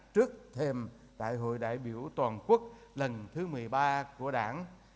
trước thêm đại hội đại biểu toàn quốc lần thứ một mươi ba của đảng